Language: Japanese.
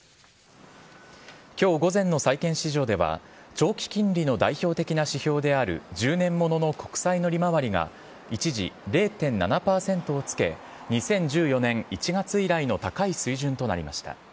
きょう午前の債券市場では、長期金利の代表的な指標である１０年物の国債の利回りが、一時、０．７％をつけ、２０１４年１月以来の高い水準となりました。